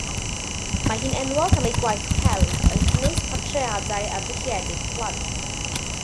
Mae hi'n enwog am ei gwaith celf yn cynnwys portreadau arddulliedig plant.